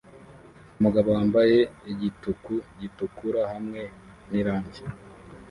Umugabo wambaye igituku gitukura hamwe n irangi